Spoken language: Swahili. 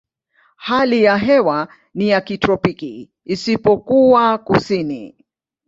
Hali ya hewa ni ya kitropiki isipokuwa kusini.